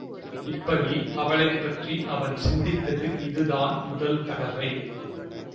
இப்படி, அவளைப்பற்றி அவன் சிந்தித்தது இதுதான் முதல் தடவை.